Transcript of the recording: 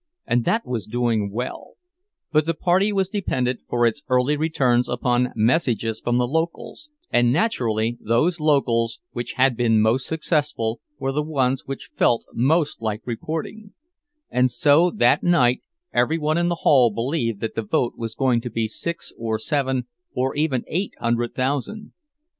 And that was doing well; but the party was dependent for its early returns upon messages from the locals, and naturally those locals which had been most successful were the ones which felt most like reporting; and so that night every one in the hall believed that the vote was going to be six, or seven, or even eight hundred thousand.